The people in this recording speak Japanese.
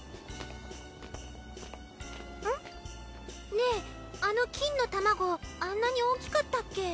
ねぇあの金の卵あんなに大きかったっけ？